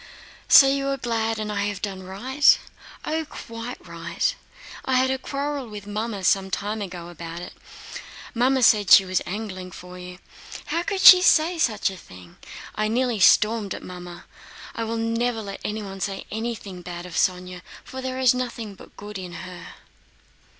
"So you are glad and I have done right?" "Oh, quite right! I had a quarrel with Mamma some time ago about it. Mamma said she was angling for you. How could she say such a thing! I nearly stormed at Mamma. I will never let anyone say anything bad of Sónya, for there is nothing but good in her."